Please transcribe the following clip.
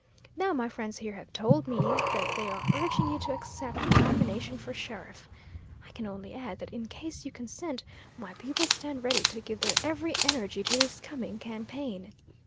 Now, my friends here have told me that they are urging you to accept the nomination for sheriff. I can only add that in case you consent, my people stand ready to give their every energy to this coming campaign.